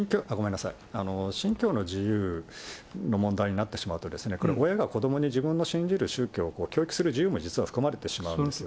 信教の自由の問題になってしまうと、これ、親が子どもに自分の信じる宗教を教育する自由も、実は含まれてしまうんです。